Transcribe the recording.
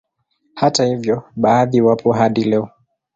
Hata hivyo baadhi wapo hadi leo